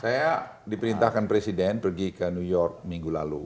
saya diperintahkan presiden pergi ke new york minggu lalu